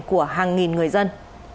của hàng nghìn người dân